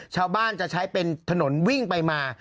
ชาวบ้านจะใช้เป็นถนนวิ่งไปมา